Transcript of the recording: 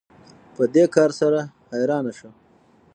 په دې کار سره حیرانه شو